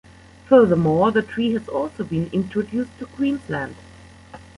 Furthermore, the tree has also been introduced to Queensland.